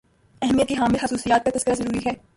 اہمیت کی حامل خصوصیات کا تذکرہ ضروری ہے